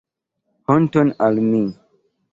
Honton al mi.